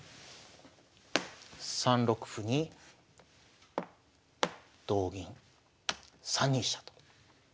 ３六歩に同銀３二飛車と。